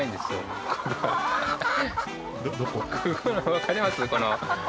分かります？